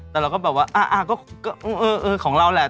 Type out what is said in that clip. แต่เราก็แบบว่าของเราแหละ